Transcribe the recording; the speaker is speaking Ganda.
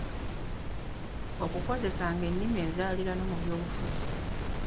Okukozesanga ennimi enzaaliranwa mu byobufuzi